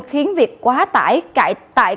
khiến việc quá tải cải tải